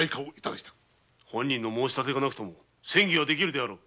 本人の申し立てがなくとも詮議はできよう。